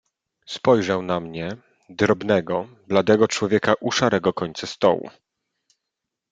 "Spojrzał na mnie, drobnego, bladego człowieka u szarego końca stołu."